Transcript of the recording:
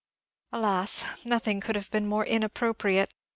Alas, nothing could have been more inappropriate.